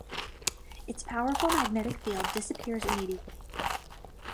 Its powerful magnetic field disappears immediately.